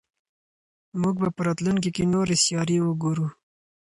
موږ به په راتلونکي کې نورې سیارې وګورو.